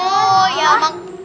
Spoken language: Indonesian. oh ya emang